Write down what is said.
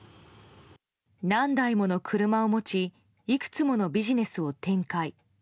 何台もの車を持ちいくつものビジネスを展開。